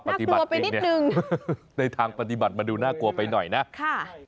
ปฏิบัตินึงในทางปฏิบัติมาดูน่ากลัวไปหน่อยน่ะค่ะนาย